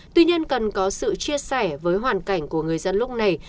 tuy nhiên cần có sự chia sẻ với hoàn cảnh của người dân lúc này